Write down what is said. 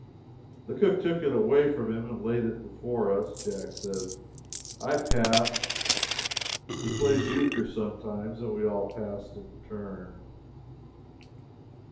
The cook took it away from him and laid it before us. Jack said, "I pass" he plays euchre sometimes and we all passed in turn.